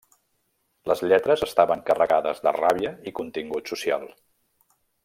Les lletres estaven carregades de ràbia i contingut social.